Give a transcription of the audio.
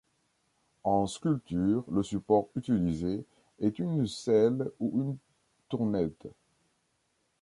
En sculpture le support utilisé est une selle ou une tournette.